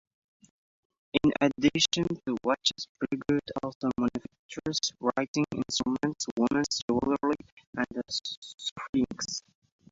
In addition to watches, Breguet also manufactures writing instruments, women's jewelry, and cufflinks.